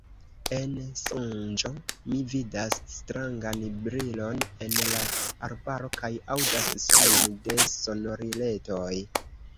En sonĝo mi vidas strangan brilon en la arbaro kaj aŭdas sonon de sonoriletoj.